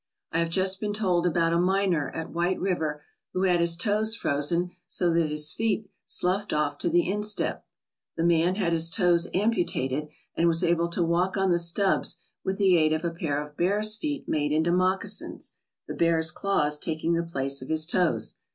I have just been told about a miner at White River who had his toes frozen so that his feet sloughed off to the instep. The man had his toes ampu tated and was able to walk on the stubs with the aid of a pair of bear's feet made into moccasins, the bear's claws taking the place of his toes.